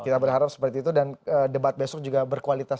kita berharap seperti itu dan debat besok juga berkualitas